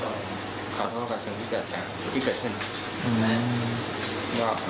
ที่สาวเป็นคนชีวิตต่อไปขึ้นหลังกัน